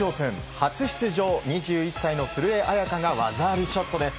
初出場２１歳の古江彩佳が技ありショットです。